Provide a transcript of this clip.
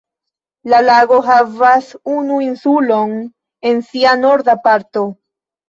La lago havas unu insulon en sia norda parto.